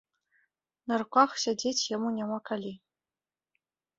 На руках сядзець яму няма калі.